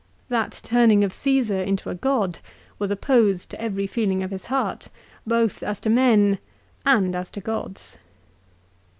That turning of Csesar into a god was opposed to every feeling of his heart, both as to men and as to gods.